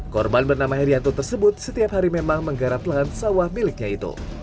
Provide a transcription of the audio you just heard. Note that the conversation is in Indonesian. korban bernama herianto tersebut setiap hari memang menggarap lahan sawah miliknya itu